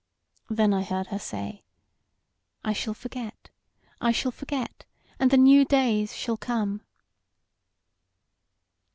Then I heard her say: 'I shall forget; I shall forget; and the new days shall come.'